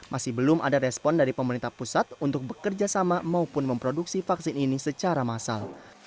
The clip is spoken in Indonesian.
masih belum ada respon dari pemerintah pusat untuk bekerja sama maupun memproduksi vaksin ini secara massal